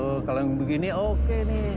oh kalau yang begini oke nih